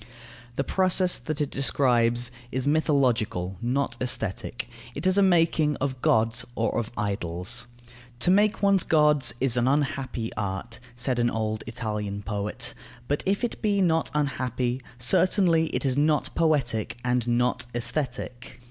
The process that it describes is mythological, not aesthetic; it is a making of gods or of idols. "To make one's gods is an unhappy art," said an old Italian poet; but if it be not unhappy, certainly it is not poetic and not aesthetic.